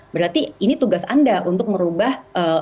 berarti ini tugas anda untuk merubah